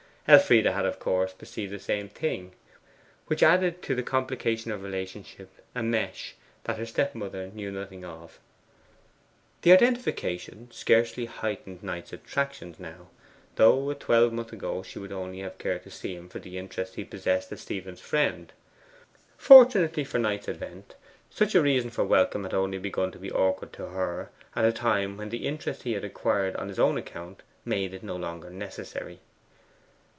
Elfride had of course perceived the same thing, which added to the complication of relationship a mesh that her stepmother knew nothing of. The identification scarcely heightened Knight's attractions now, though a twelvemonth ago she would only have cared to see him for the interest he possessed as Stephen's friend. Fortunately for Knight's advent, such a reason for welcome had only begun to be awkward to her at a time when the interest he had acquired on his own account made it no longer necessary.